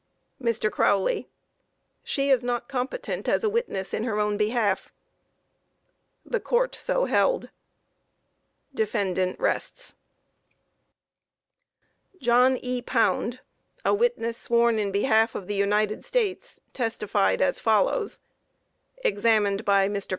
MR. CROWLEY: She is not competent as a witness in her own behalf. [The Court so held.] Defendant rests. JOHN E. POUND, a witness sworn in behalf of the United States, testified as follows: Examined by MR.